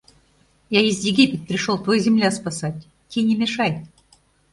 Я из Египет пришёл твой земля спасать, ти не мешай.